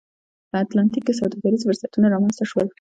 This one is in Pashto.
په اتلانتیک کې سوداګریز فرصتونه رامنځته شول